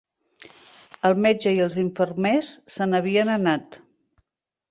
El metge i els infermers se n'havien anat